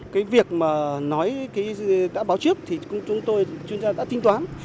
cái việc mà nói đã báo trước thì chúng tôi chuyên gia đã tinh toán